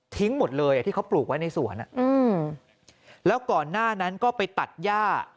หมดเลยที่เขาปลูกไว้ในสวนแล้วก่อนหน้านั้นก็ไปตัดย่า